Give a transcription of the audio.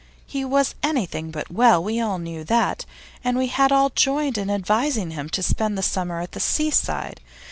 He was anything but well; we all knew that, and we had all joined in advising him to spend the summer at the seaside.